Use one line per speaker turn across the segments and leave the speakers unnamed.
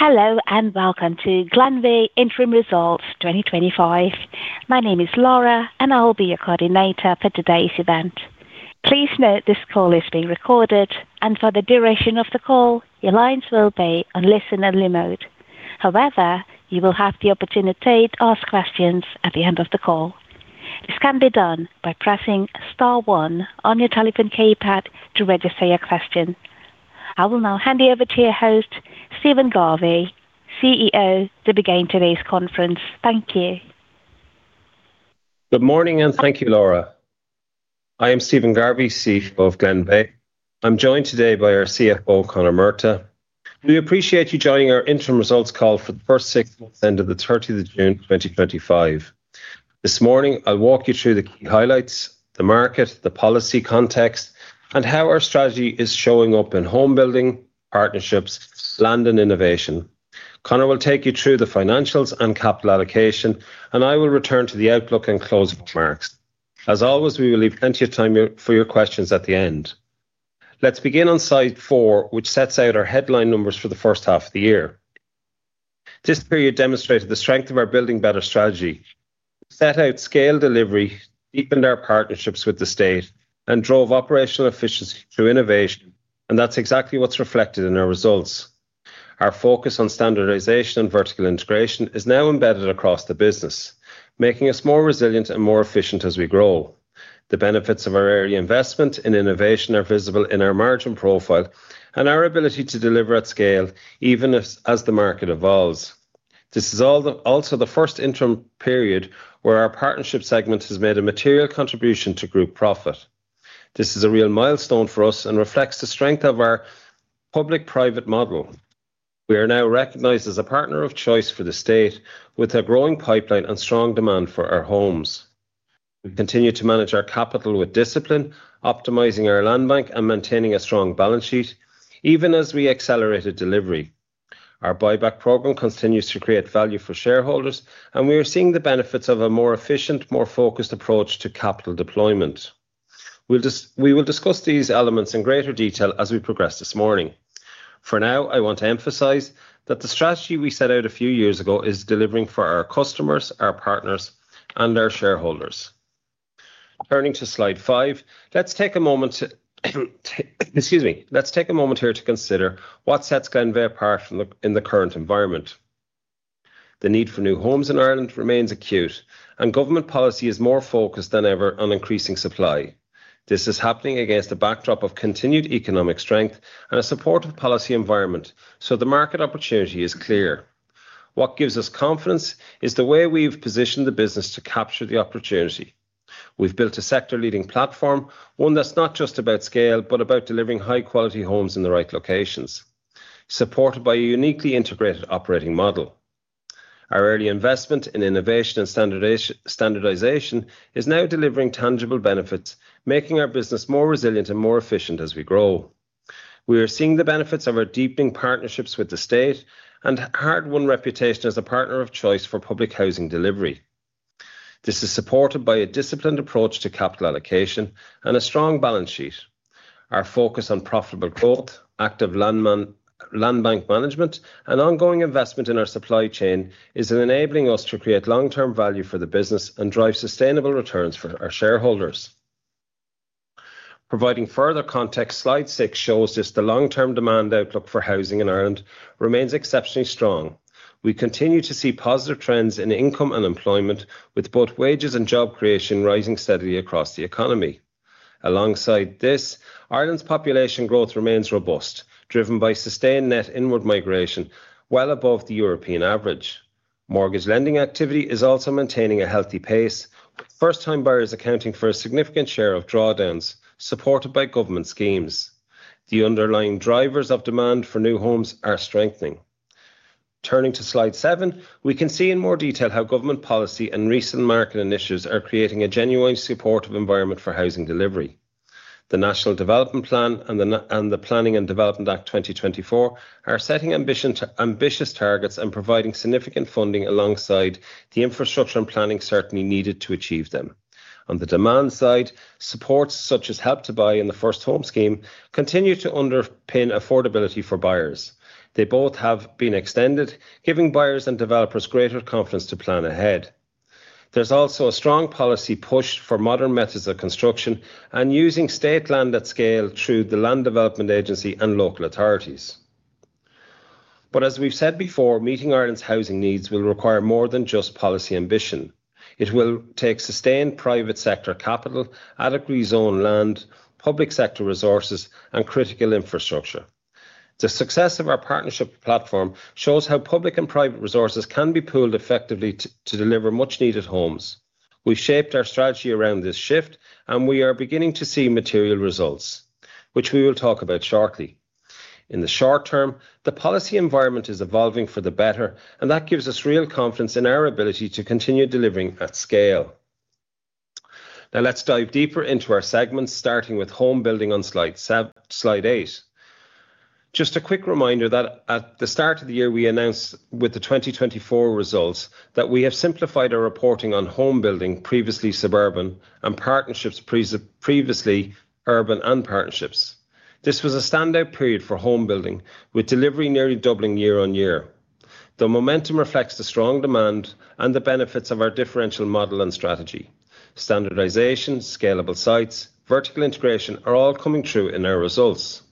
Hello and welcome to Glenveagh Interim Results 2025. My name is Laura, and I'll be your coordinator for today's event. Please note this call is being recorded, and for the duration of the call, your lines will be on listen-only mode. However, you will have the opportunity to ask questions at the end of the call. This can be done by pressing star one on your telephone keypad to register your question. I will now hand you over to your host, Stephen Garvey, CEO, to begin today's conference. Thank you.
Good morning and thank you, Laura. I am Stephen Garvey, CEO of Glenveagh. I'm joined today by our CFO, Conor Murtagh. We appreciate you joining our interim results call for the first session on the 30th of June, 2025. This morning, I'll walk you through the key highlights, the market, the policy context, and how our strategy is showing up in home building, partnerships, land, and innovation. Conor will take you through the financials and capital allocation, and I will return to the outlook and closing remarks. As always, we will leave plenty of time for your questions at the end. Let's begin on slide four, which sets out our headline numbers for the first half of the year. This period demonstrated the strength of our Building Better strategy. We set out scale delivery, deepened our partnerships with the state, and drove operational efficiency through innovation. That is exactly what's reflected in our results. Our focus on standardization and vertical integration is now embedded across the business, making us more resilient and more efficient as we grow. The benefits of our early investment in innovation are visible in our margin profile and our ability to deliver at scale, even as the market evolves. This is also the first interim period where our partnership segment has made a material contribution to group profit. This is a real milestone for us and reflects the strength of our public-private model. We are now recognized as a partner of choice for the state with a growing pipeline and strong demand for our homes. We continue to manage our capital with discipline, optimizing our land bank and maintaining a strong balance sheet, even as we accelerated delivery. Our buyback program continues to create value for shareholders, and we are seeing the benefits of a more efficient, more focused approach to capital deployment. We will discuss these elements in greater detail as we progress this morning. For now, I want to emphasize that the strategy we set out a few years ago is delivering for our customers, our partners, and our shareholders. Turning to slide five, let's take a moment here to consider what sets Glenveagh apart in the current environment. The need for new homes in Ireland remains acute, and government policy is more focused than ever on increasing supply. This is happening against a backdrop of continued economic strength and a supportive policy environment, so the market opportunity is clear. What gives us confidence is the way we've positioned the business to capture the opportunity. We've built a sector-leading platform, one that's not just about scale, but about delivering high-quality homes in the right locations, supported by a uniquely integrated operating model. Our early investment in innovation and standardization is now delivering tangible benefits, making our business more resilient and more efficient as we grow. We are seeing the benefits of our deepening partnerships with the state and a hard-won reputation as a partner of choice for public housing delivery. This is supported by a disciplined approach to capital allocation and a strong balance sheet. Our focus on profitable growth, active land bank management, and ongoing investment in our supply chain is enabling us to create long-term value for the business and drive sustainable returns for our shareholders. Providing further context, slide six shows that the long-term demand outlook for housing in Ireland remains exceptionally strong. We continue to see positive trends in income and employment, with both wages and job creation rising steadily across the economy. Alongside this, Ireland's population growth remains robust, driven by sustained net inward migration, well above the European average. Mortgage lending activity is also maintaining a healthy pace, with first-time buyers accounting for a significant share of drawdowns, supported by government schemes. The underlying drivers of demand for new homes are strengthening. Turning to slide seven, we can see in more detail how government policy and recent market initiatives are creating a genuine supportive environment for housing delivery. The National Development Plan and the Planning and Development Act 2024 are setting ambitious targets and providing significant funding alongside the infrastructure and planning certainly needed to achieve them. On the demand side, supports such as Help to Buy and the First Home Scheme continue to underpin affordability for buyers. They both have been extended, giving buyers and developers greater confidence to plan ahead. There is also a strong policy push for modern methods of construction and using state land at scale through the Land Development Agency and local authorities. Meeting Ireland's housing needs will require more than just policy ambition. It will take sustained private sector capital, adequately zoned land, public sector resources, and critical infrastructure. The success of our partnership platform shows how public and private resources can be pooled effectively to deliver much-needed homes. We've shaped our strategy around this shift, and we are beginning to see material results, which we will talk about shortly. In the short term, the policy environment is evolving for the better, and that gives us real confidence in our ability to continue delivering at scale. Now let's dive deeper into our segments, starting with home building on slide eight. Just a quick reminder that at the start of the year, we announced with the 2024 results that we have simplified our reporting on home building, previously suburban, and partnerships, previously urban and partnerships. This was a standout period for home building, with delivery nearly doubling year-on-year. The momentum reflects the strong demand and the benefits of our differential model and strategy. Standardization, scalable sites, and vertical integration are all coming true in our results.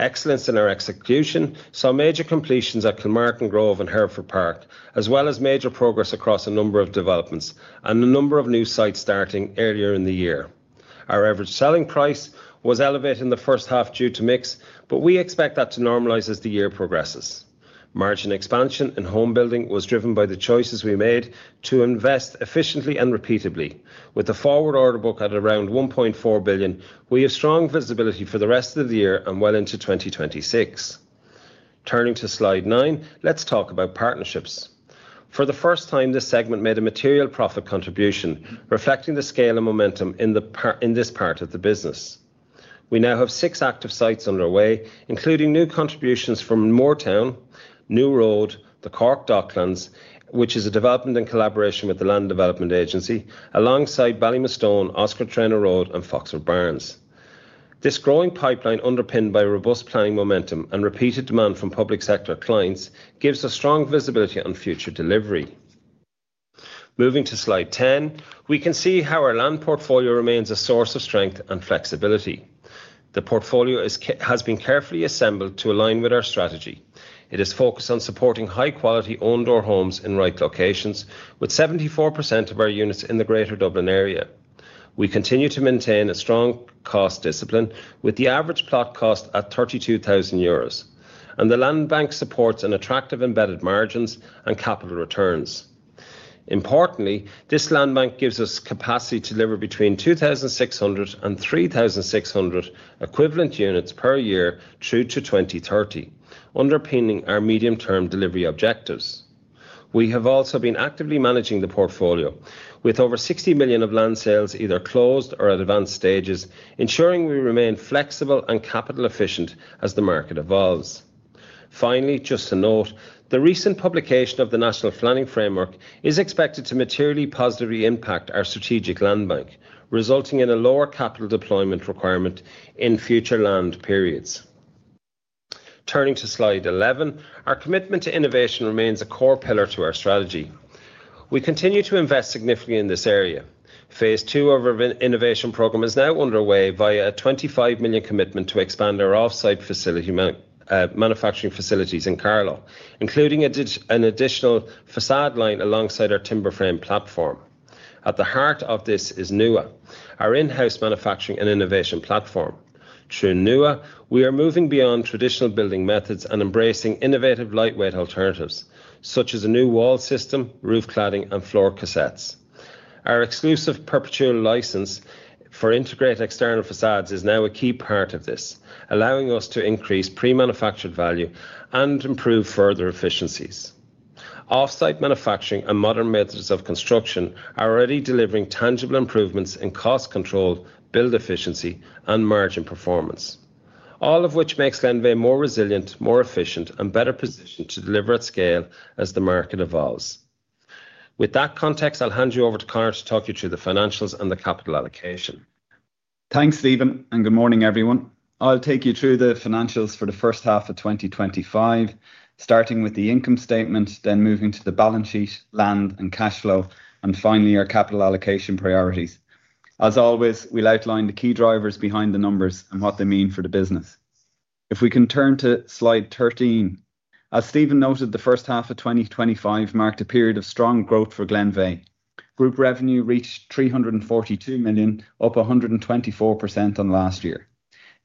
Excellence in our execution saw major completions at Kilmartin Grove and Hereford Park, as well as major progress across a number of developments and a number of new sites starting earlier in the year. Our average selling price was elevated in the first half due to mix, but we expect that to normalize as the year progresses. Margin expansion in home building was driven by the choices we made to invest efficiently and repeatedly. With a forward order book at around 1.4 billion, we have strong visibility for the rest of the year and well into 2026. Turning to slide nine, let's talk about partnerships. For the first time, this segment made a material profit contribution, reflecting the scale and momentum in this part of the business. We now have six active sites underway, including new contributions from Moortown, New Road, the Cork Docklands, which is a development in collaboration with the Land Development Agency, alongside Ballymaistone, Oscar Traynor Road, and Foxford Barnes. This growing pipeline, underpinned by robust planning momentum and repeated demand from public sector clients, gives us strong visibility on future delivery. Moving to slide ten, we can see how our land portfolio remains a source of strength and flexibility. The portfolio has been carefully assembled to align with our strategy. It is focused on supporting high-quality owned-door homes in the right locations, with 74% of our units in the Greater Dublin Area. We continue to maintain a strong cost discipline, with the average plot cost at 32,000 euros, and the land bank supports attractive embedded margins and capital returns. Importantly, this land bank gives us the capacity to deliver between 2,600 and 3,600 equivalent units per year through to 2030, underpinning our medium-term delivery objectives. We have also been actively managing the portfolio, with over 60 million of land sales either closed or at advanced stages, ensuring we remain flexible and capital efficient as the market evolves. Finally, just a note, the recent publication of the National Planning Framework is expected to materially positively impact our strategic land bank, resulting in a lower capital deployment requirement in future land periods. Turning to slide 11, our commitment to innovation remains a core pillar to our strategy. We continue to invest significantly in this area. Phase two of our innovation program is now underway via a 25 million commitment to expand our offsite manufacturing facilities in Carlisle, including an additional facade line alongside our timber-frame platform. At the heart of this is NUA, our in-house manufacturing and innovation platform. Through NUA, we are moving beyond traditional building methods and embracing innovative lightweight alternatives, such as a new wall system, roof cladding, and floor cassettes. Our exclusive perpetual license for integrated external facades is now a key part of this, allowing us to increase pre-manufactured value and improve further efficiencies. Offsite manufacturing and modern methods of construction are already delivering tangible improvements in cost control, build efficiency, and margin performance, all of which makes Glenveagh more resilient, more efficient, and better positioned to deliver at scale as the market evolves. With that context, I'll hand you over to Conor to talk you through the financials and the capital allocation.
Thanks, Stephen, and good morning, everyone. I'll take you through the financials for the first half of 2025, starting with the income statement, then moving to the balance sheet, land, and cash flow, and finally our capital allocation priorities. As always, we'll outline the key drivers behind the numbers and what they mean for the business. If we can turn to slide 13, as Stephen noted, the first half of 2025 marked a period of strong growth for Glenveagh. Group revenue reached 342 million, up 124% on last year.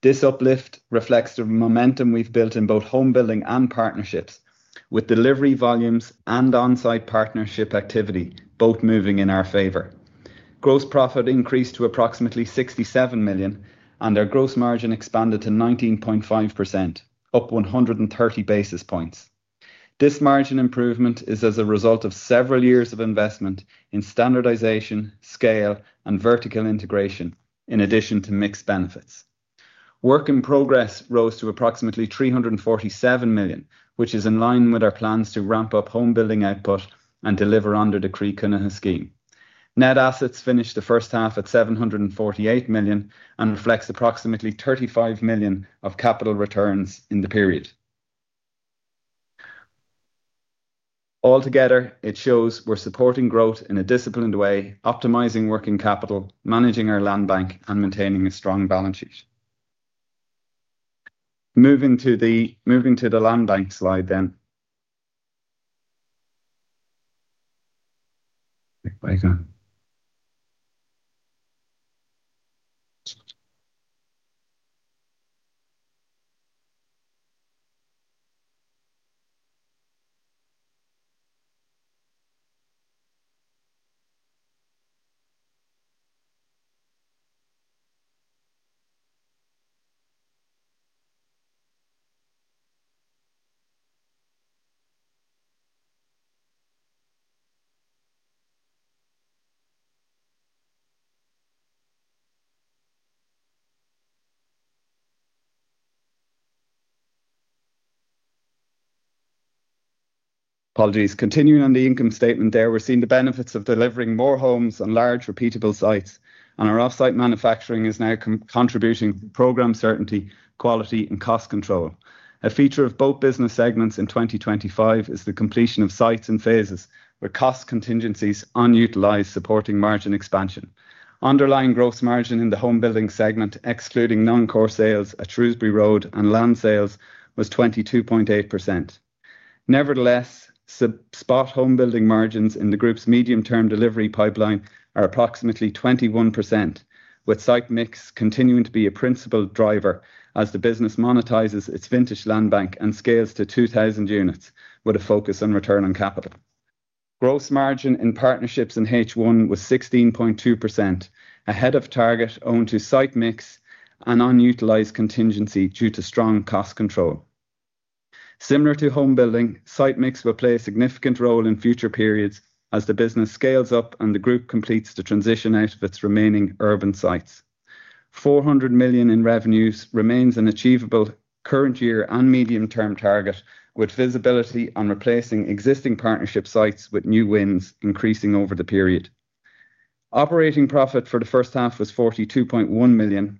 This uplift reflects the momentum we've built in both home building and partnerships, with delivery volumes and onsite partnership activity both moving in our favor. Gross profit increased to approximately 67 million, and our gross margin expanded to 19.5%, up 130 basis points. This margin improvement is as a result of several years of investment in standardization, scale, and vertical integration, in addition to mix benefits. Work in progress rose to approximately 347 million, which is in line with our plans to ramp up home building output and deliver under the Croí Cónaithe Scheme. Net assets finished the first half at 748 million and reflect approximately 35 million of capital returns in the period. Altogether, it shows we're supporting growth in a disciplined way, optimizing working capital, managing our land bank, and maintaining a strong balance sheet. Moving to the land bank slide. Apologies. Continuing on the income statement, we're seeing the benefits of delivering more homes and large repeatable sites, and our offsite manufacturing is now contributing to program certainty, quality, and cost control. A feature of both business segments in 2025 is the completion of sites and phases where cost contingencies are unutilized, supporting margin expansion. Underlying gross margin in the home building segment, excluding non-core sales at Shrewsbury Road and land sales, was 22.8%. Nevertheless, spot home building margins in the group's medium-term delivery pipeline are approximately 21%, with site mix continuing to be a principal driver as the business monetizes its vintage land bank and scales to 2,000 units with a focus on return on capital. Gross margin in partnerships in H1 was 16.2%, ahead of target owing to site mix and unutilized contingency due to strong cost control. Similar to home building, site mix will play a significant role in future periods as the business scales up and the group completes the transition out of its remaining urban sites. 400 million in revenues remains an achievable current year and medium-term target, with visibility on replacing existing partnership sites with new wins, increasing over the period. Operating profit for the first half was 42.1 million.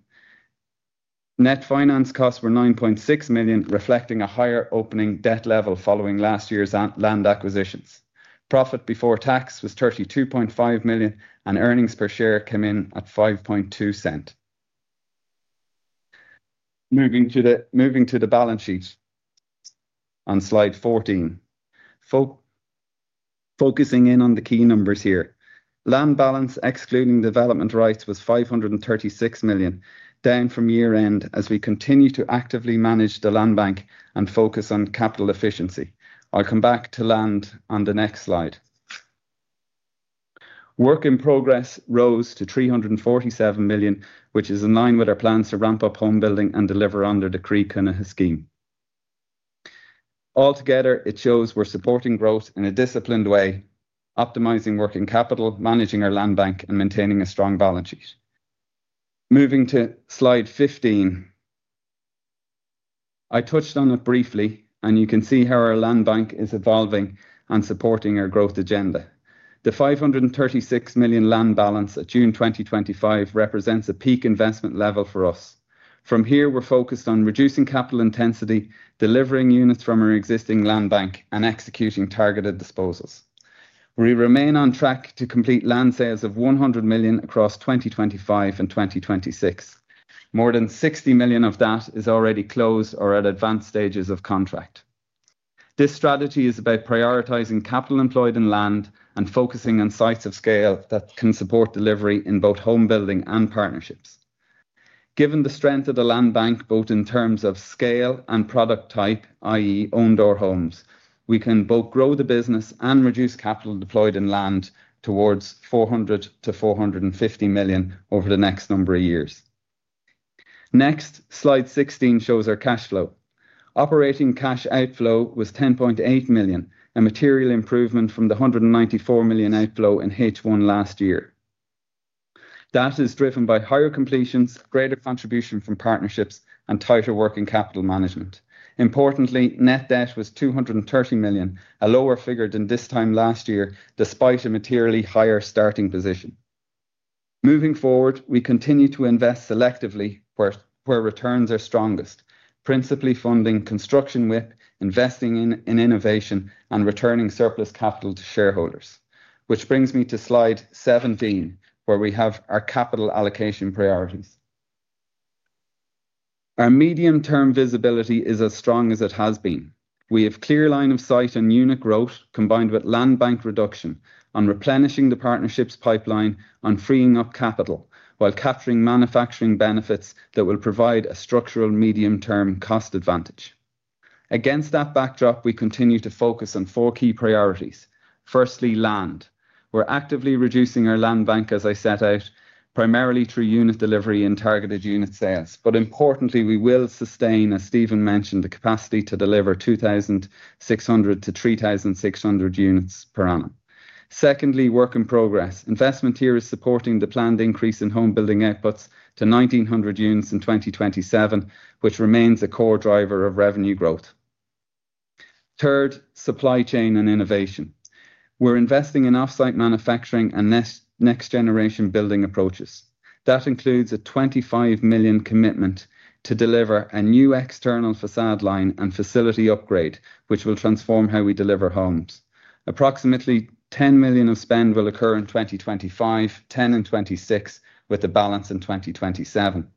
Net finance costs were 9.6 million, reflecting a higher opening debt level following last year's land acquisitions. Profit before tax was 32.5 million, and earnings per share came in at 0.052. Moving to the balance sheet on slide 14, focusing in on the key numbers here. Land balance, excluding development rights, was 536 million, down from year end as we continue to actively manage the land bank and focus on capital efficiency. I'll come back to land on the next slide. Work in progress rose to 347 million, which is in line with our plans to ramp up home building and deliver under the Croí Cónaithe Scheme. Altogether, it shows we're supporting growth in a disciplined way, optimizing working capital, managing our land bank, and maintaining a strong balance sheet. Moving to slide 15, I touched on it briefly, and you can see how our land bank is evolving and supporting our growth agenda. The 536 million land balance at June 2025 represents a peak investment level for us. From here, we're focused on reducing capital intensity, delivering units from our existing land bank, and executing targeted disposals. We remain on track to complete land sales of 100 million across 2025 and 2026. More than 60 million of that is already closed or at advanced stages of contract. This strategy is about prioritizing capital employed in land and focusing on sites of scale that can support delivery in both home building and partnerships. Given the strength of the land bank, both in terms of scale and product type, i.e., owned-door homes, we can both grow the business and reduce capital deployed in land towards 400-450 million over the next number of years. Next, slide 16 shows our cash flow. Operating cash outflow was 10.8 million, a material improvement from the 194 million outflow in H1 last year. That is driven by higher completions, greater contribution from partnerships, and tighter working capital management. Importantly, net debt was 230 million, a lower figure than this time last year, despite a materially higher starting position. Moving forward, we continue to invest selectively where returns are strongest, principally funding construction WIP, investing in innovation, and returning surplus capital to shareholders. Which brings me to slide 17, where we have our capital allocation priorities. Our medium-term visibility is as strong as it has been. We have a clear line of sight in Munich Road, combined with land bank reduction on replenishing the partnerships pipeline and freeing up capital, while capturing manufacturing benefits that will provide a structural medium-term cost advantage. Against that backdrop, we continue to focus on four key priorities. Firstly, land. We're actively reducing our land bank, as I set out, primarily through unit delivery and targeted unit sales. Importantly, we will sustain, as Stephen mentioned, the capacity to deliver 2,600-3,600 units per annum. Secondly, work in progress. Investment here is supporting the planned increase in home building outputs to 1,900 units in 2027, which remains a core driver of revenue growth. Third, supply chain and innovation. We're investing in offsite manufacturing and next-generation building approaches. That includes a 25 million commitment to deliver a new external facade line and facility upgrade, which will transform how we deliver homes. Approximately 10 million of spend will occur in 2025, 10 million in 2026, with the balance in 2027.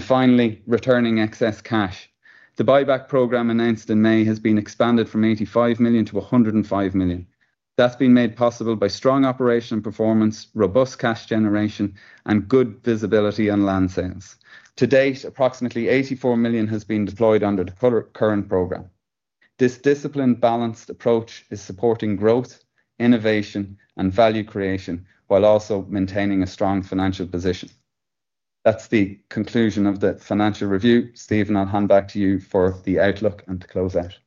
Finally, returning excess cash. The buyback program announced in May has been expanded from 85 million to 105 million. That's been made possible by strong operation performance, robust cash generation, and good visibility on land sales. To date, approximately 84 million has been deployed under the current program. This disciplined, balanced approach is supporting growth, innovation, and value creation, while also maintaining a strong financial position. That's the conclusion of the financial review. Stephen, I'll hand back to you for the outlook and to close out.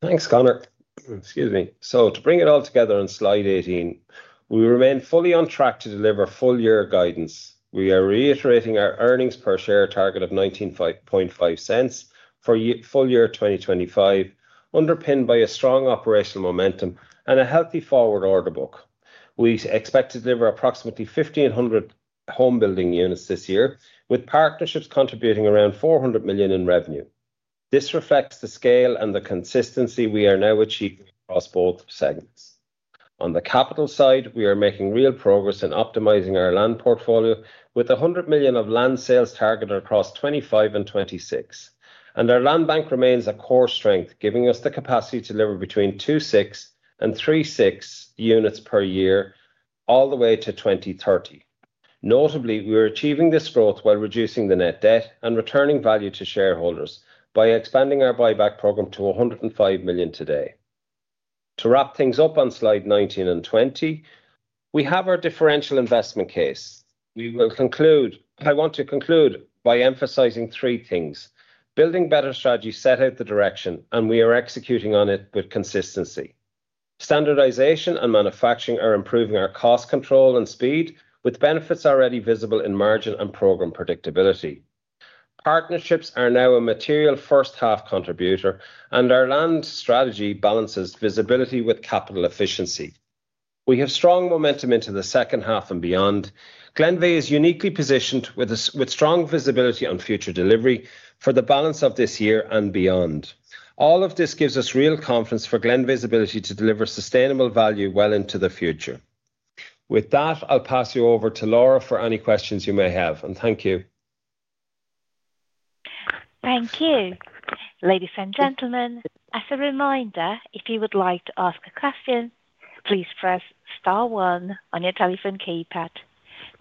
Thanks, Conor. To bring it all together on slide 18, we remain fully on track to deliver full-year guidance. We are reiterating our earnings per share target of 0.195 for full-year 2025, underpinned by strong operational momentum and a healthy forward order book. We expect to deliver approximately 1,500 home building units this year, with partnerships contributing around 400 million in revenue. This reflects the scale and the consistency we are now achieving across both segments. On the capital side, we are making real progress in optimizing our land portfolio, with 100 million of land sales targeted across 2025 and 2026. Our land bank remains a core strength, giving us the capacity to deliver between 2,600 and 3,600 units per year all the way to 2030. Notably, we're achieving this growth while reducing the net debt and returning value to shareholders by expanding our buyback program to 105 million today. To wrap things up on slides 19 and 20, we have our differential investment case. I want to conclude by emphasizing three things. Building Better Strategy set out the direction, and we are executing on it with consistency. Standardization and manufacturing are improving our cost control and speed, with benefits already visible in margin and program predictability. Partnerships are now a material first-half contributor, and our land strategy balances visibility with capital efficiency. We have strong momentum into the second half and beyond. Glenveagh is uniquely positioned with strong visibility on future delivery for the balance of this year and beyond. All of this gives us real confidence for Glenveagh's ability to deliver sustainable value well into the future. With that, I'll pass you over to Laura for any questions you may have, and thank you.
Thank you. Ladies and gentlemen, as a reminder, if you would like to ask a question, please press star one on your telephone keypad.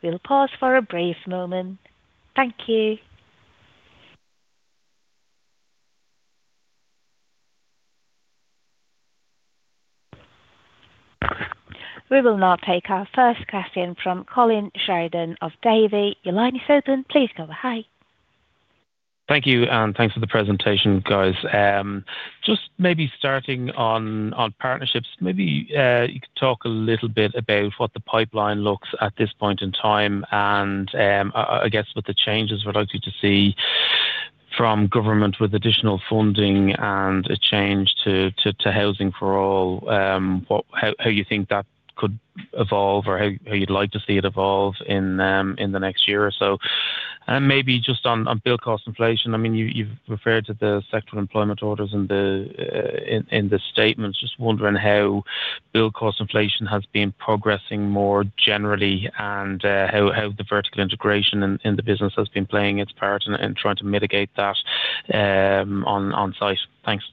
We'll pause for a brief moment. Thank you. We will now take our first question from Colin Sheridan of Davy. Your line is open. Please go ahead.
Thank you, and thanks for the presentation, guys. Maybe starting on partnerships, maybe you could talk a little bit about what the pipeline looks at this point in time and, I guess, what the changes we're likely to see from government with additional funding and a change to housing for all. What, how you think that could evolve or how you'd like to see it evolve in the next year or so. Maybe just on build cost inflation, I mean, you've referred to the sector employment orders in the statements. Just wondering how build cost inflation has been progressing more generally and how the vertical integration in the business has been playing its part in trying to mitigate that on site. Thanks.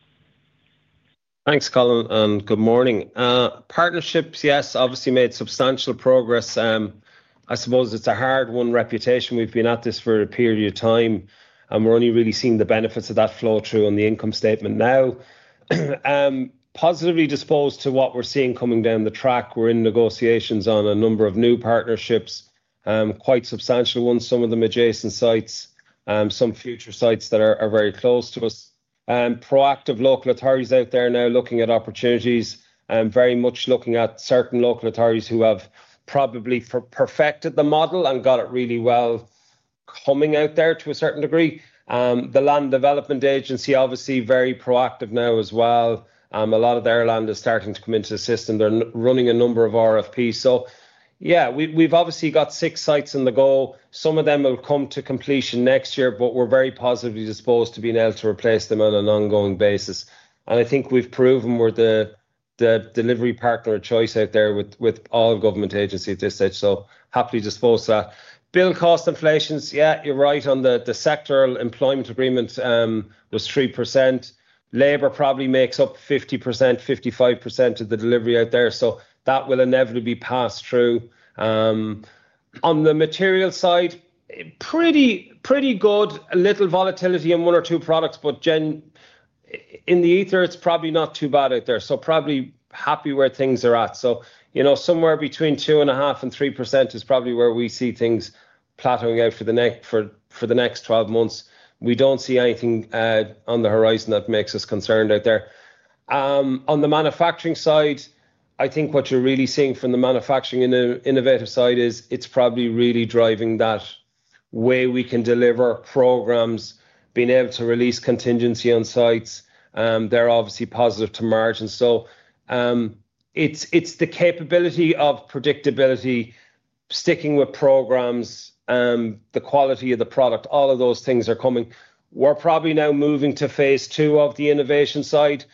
Thanks, Colin, and good morning. Partnerships, yes, obviously made substantial progress. I suppose it's a hard-won reputation. We've been at this for a period of time, and we're only really seeing the benefits of that flow through on the income statement now. Positively disposed to what we're seeing coming down the track. We're in negotiations on a number of new partnerships, quite substantial ones, some of them adjacent sites, some future sites that are very close to us. Proactive local authorities out there now looking at opportunities, very much looking at certain local authorities who have probably perfected the model and got it really well coming out there to a certain degree. The Land Development Agency, obviously very proactive now as well. A lot of their land is starting to come into the system. They're running a number of RFPs. We've obviously got six sites on the go. Some of them will come to completion next year, but we're very positively disposed to being able to replace them on an ongoing basis. I think we've proven we're the delivery partner of choice out there with all government agencies at this stage. Happy to disclose that. Bill cost inflations, yeah, you're right on the sectoral employment agreement, was 3%. Labor probably makes up 50%, 55% of the delivery out there. That will inevitably be passed through. On the material side, it's pretty, pretty good. A little volatility in one or two products, but in the ether, it's probably not too bad out there. Probably happy where things are at. Somewhere between 2.5% and 3.0% is probably where we see things plateauing out for the next 12 months. We don't see anything on the horizon that makes us concerned out there. On the manufacturing side, I think what you're really seeing from the manufacturing and innovative side is it's probably really driving that way we can deliver programs, being able to release contingency on sites. They're obviously positive to margins. It's the capability of predictability, sticking with programs, the quality of the product, all of those things are coming. We're probably now moving to phase II of the innovation side.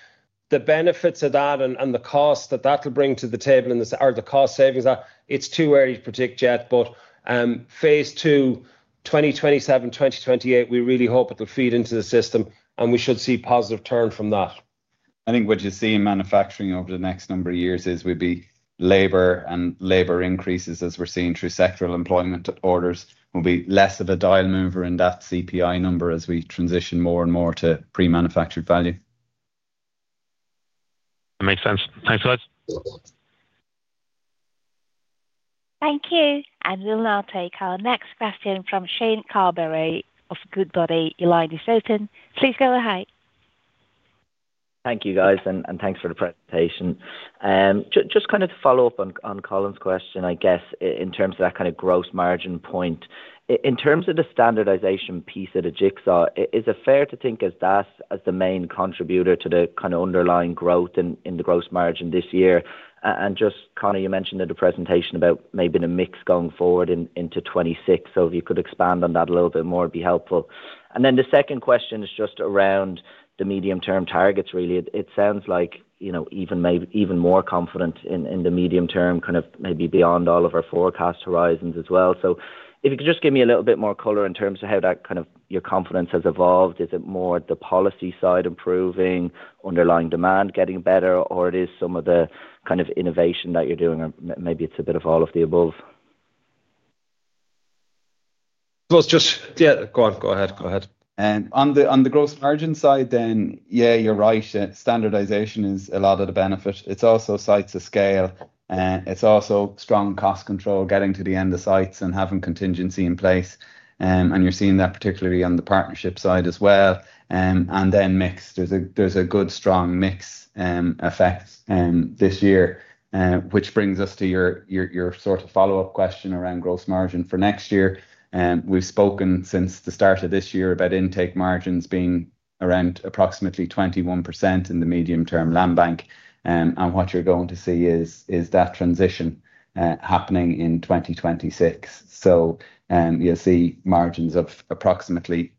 The benefits of that and the cost that that'll bring to the table and the cost savings, it's too early to predict yet, but phase II, 2027, 2028, we really hope it'll feed into the system and we should see positive turn from that.
I think what you see in manufacturing over the next number of years is we'll be labor and labor increases as we're seeing through sectoral employment orders. We'll be less of a dial mover in that CPI number as we transition more and more to pre-manufactured value.
That makes sense. Thanks for that.
Thank you. We'll now take our next question from Shane Carberry of Goodbody, your line is open. Please go ahead.
Thank you, guys, and thanks for the presentation. Just to follow up on Colin's question, I guess, in terms of that kind of gross margin point. In terms of the standardization piece of the jigsaw, is it fair to think of that as the main contributor to the kind of underlying growth in the gross margin this year? You mentioned in the presentation about maybe the mix going forward into 2026, so if you could expand on that a little bit more, it'd be helpful. The second question is just around the medium-term targets, really. It sounds like, you know, even more confident in the medium term, maybe beyond all of our forecast horizons as well. If you could just give me a little bit more color in terms of how your confidence has evolved, is it more the policy side improving, underlying demand getting better, or is it some of the kind of innovation that you're doing? Maybe it's a bit of all of the above.
Go ahead, go ahead.
On the gross margin side, you're right. Standardization is a lot of the benefit. It's also sites of scale, and it's also strong cost control getting to the end of sites and having contingency in place. You're seeing that particularly on the partnership side as well. There's a good strong mix effect this year, which brings us to your follow-up question around gross margin for next year. We've spoken since the start of this year about intake margins being around approximately 21% in the medium-term land bank. What you're going to see is that transition happening in 2026. You'll see margins of approximately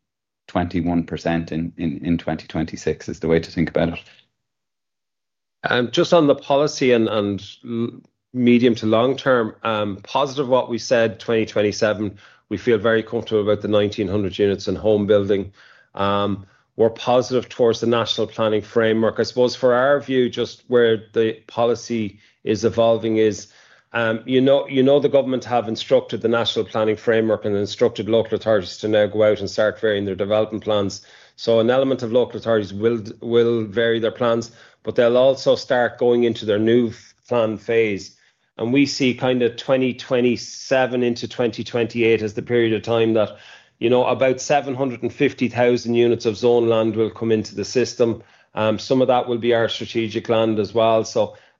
21% in 2026 is the way to think about it.
Just on the policy and medium to long term, positive what we said, 2027, we feel very comfortable about the 1,900 units in home building. We're positive towards the National Planning Framework. I suppose for our view, just where the policy is evolving is, you know, the government has instructed the National Planning Framework and instructed local authorities to now go out and start varying their development plans. An element of local authorities will vary their plans, but they'll also start going into their new plan phase. We see 2027 into 2028 as the period of time that, you know, about 750,000 units of zoned land will come into the system. Some of that will be our strategic land as well.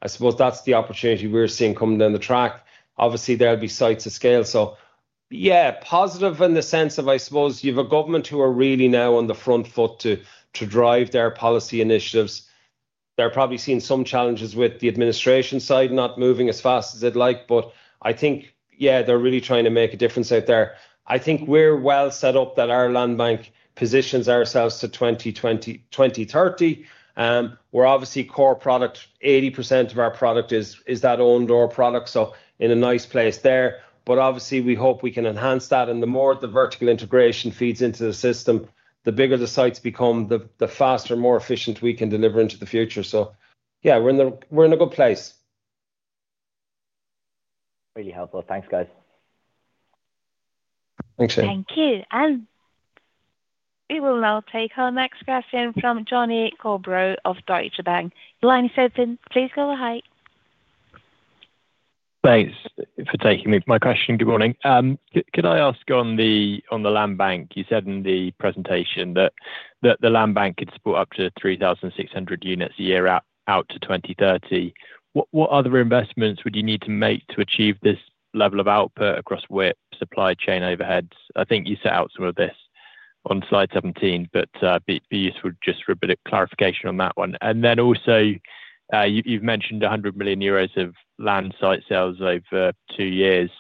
I suppose that's the opportunity we're seeing coming down the track. Obviously, there'll be sites of scale. Positive in the sense of, I suppose, you have a government who are really now on the front foot to drive their policy initiatives. They're probably seeing some challenges with the administration side not moving as fast as they'd like, but I think, yeah, they're really trying to make a difference out there. I think we're well set up that our land bank positions ourselves to 2030. We're obviously core product. 80% of our product is that owned door product. In a nice place there, but obviously we hope we can enhance that. The more the vertical integration feeds into the system, the bigger the sites become, the faster, more efficient we can deliver into the future. We're in a good place.
Really helpful. Thanks, guys.
Thanks, Shannon.
Thank you. We will now take our next question from Jonny Coubrough of Deutsche Bank. Elianis Edson, please go ahead.
Thanks for taking my question. Good morning. Could I ask on the land bank? You said in the presentation that the land bank could support up to 3,600 units a year out to 2030. What other investments would you need to make to achieve this level of output across WIP, supply chain, overheads? I think you set out some of this on slide 17, but it'd be useful just for a bit of clarification on that one. You've mentioned 100 million euros of land site sales over two years.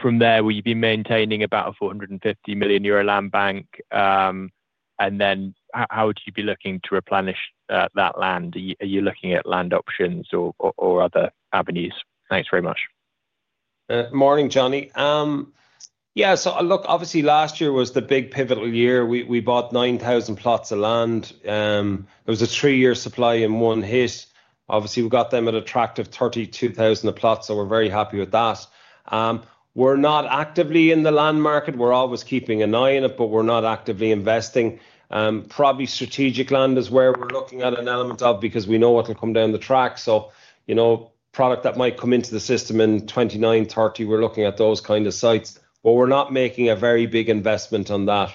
From there, will you be maintaining about a 450 million euro land bank? How would you be looking to replenish that land? Are you looking at land options or other avenues? Thanks very much.
Morning, Jonny. Yeah, obviously last year was the big pivotal year. We bought 9,000 plots of land. It was a three-year supply in one hit. We got them at an attractive 32,000 per plot, so we're very happy with that. We're not actively in the land market. We're always keeping an eye on it, but we're not actively investing. Probably strategic land is where we're looking at an element of because we know what will come down the track. Product that might come into the system in 2029, 2030, we're looking at those kinds of sites, but we're not making a very big investment on that.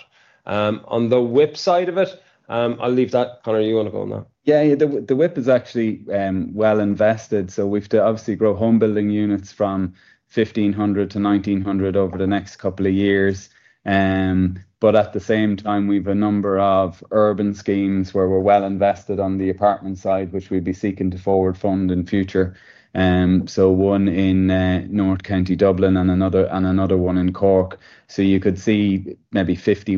On the WIP side of it, I'll leave that. Conor, you want to go on that?
Yeah, the WIP is actually well invested. We've to obviously grow home building units from 1,500 to 1,900 over the next couple of years. At the same time, we have a number of urban schemes where we're well invested on the apartment side, which we'll be seeking to forward fund in the future. One in North County Dublin and another one in Cork. You could see maybe 50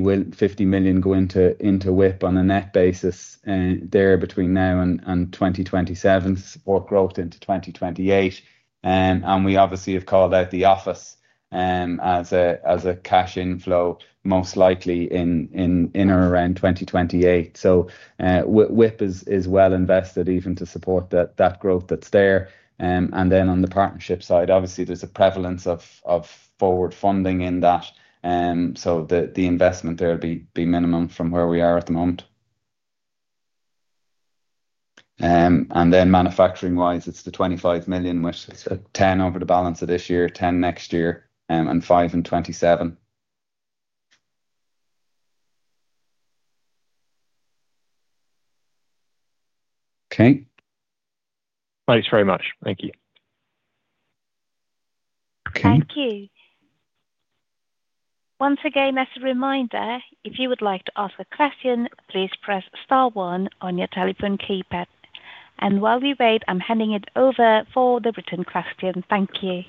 million go into WIP on a net basis there between now and 2027 or growth into 2028. We obviously have called out the office as a cash inflow, most likely in or around 2028. WIP is well invested even to support that growth that's there. On the partnership side, there's a prevalence of forward funding in that. The investment there would be minimum from where we are at the moment. Manufacturing-wise, it's the 25 million, which is 10 million over the balance of this year, 10 million next year, and 5 million in 2027. Okay.
Thanks very much. Thank you.
Thank you. Once again, as a reminder, if you would like to ask a question, please press star one on your telephone keypad. While we wait, I'm handing it over for the written question. Thank you.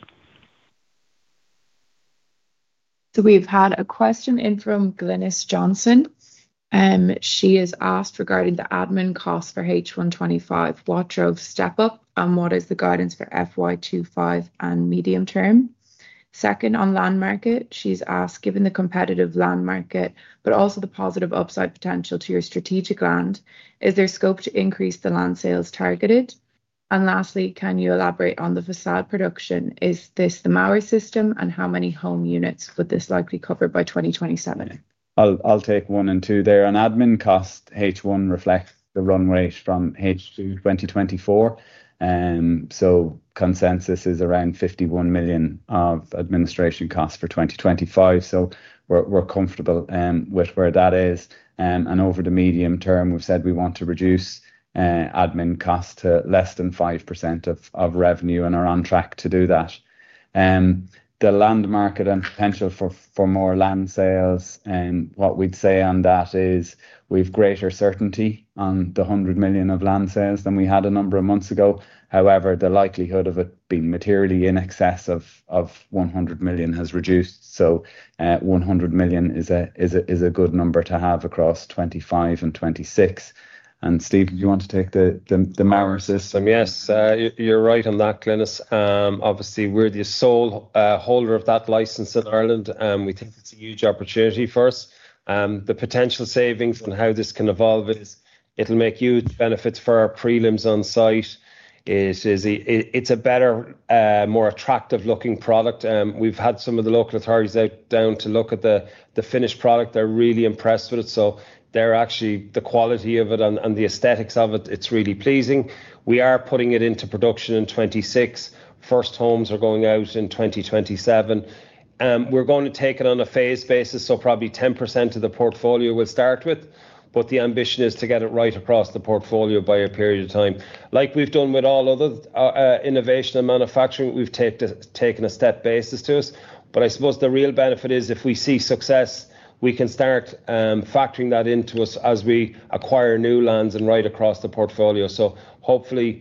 We've had a question in from Glynis Johnson. She has asked regarding the admin costs for H1 2025 Watrove Step Up and what is the guidance for FY 2025 and medium term. Second, on land market, she's asked, given the competitive land market, but also the positive upside potential to your strategic land, is there scope to increase the land sales targeted? Lastly, can you elaborate on the facade production? Is this the Mauer system and how many home units would this likely cover by 2027?
I'll take one and two there. On admin cost, H1 reflects the run rate from H2 2024. Consensus is around 51 million of administration costs for 2025. We're comfortable with where that is. Over the medium term, we've said we want to reduce admin costs to less than 5% of revenue and are on track to do that. The land market and potential for more land sales, what we'd say on that is we have greater certainty on the 100 million of land sales than we had a number of months ago. However, the likelihood of it being materially in excess of 100 million has reduced. 100 million is a good number to have across 2025 and 2026. Steve, do you want to take the Mauer system?
Yes, you're right on that, Glynis. Obviously, we're the sole holder of that license in Ireland. We think it's a huge opportunity for us. The potential savings and how this can evolve is it'll make huge benefits for our prelims on site. It's a better, more attractive looking product. We've had some of the local authorities out down to look at the finished product. They're really impressed with it. The quality of it and the aesthetics of it, it's really pleasing. We are putting it into production in 2026. First homes are going out in 2027. We're going to take it on a phased basis, so probably 10% of the portfolio we'll start with. The ambition is to get it right across the portfolio by a period of time. Like we've done with all other innovation and manufacturing, we've taken a step basis to it. I suppose the real benefit is if we see success, we can start factoring that into us as we acquire new lands and right across the portfolio. Hopefully,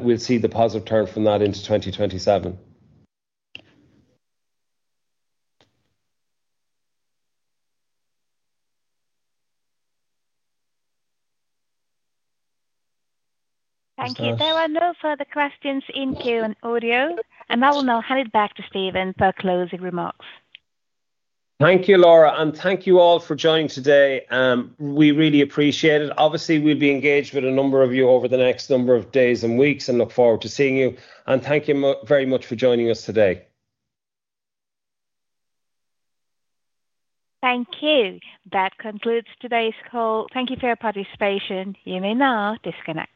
we'll see the positive turn from that into 2027.
Thank you. There are no further questions in Q&A, and I will now hand it back to Stephen for closing remarks.
Thank you, Laura, and thank you all for joining today. We really appreciate it. Obviously, we'll be engaged with a number of you over the next number of days and weeks and look forward to seeing you. Thank you very much for joining us today.
Thank you. That concludes today's call. Thank you for your participation. You may now disconnect.